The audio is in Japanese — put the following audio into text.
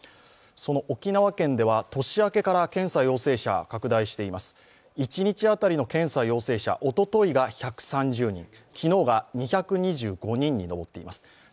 その沖縄県では年明けから検査陽性者が拡大しています、一日当たりの検査陽性者おおといが１３０人、昨日が２２５人に上っています。